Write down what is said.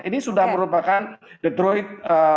ini sudah merupakan the drone